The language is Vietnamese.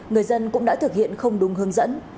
người dân cũng đã thực hiện không đúng hướng dẫn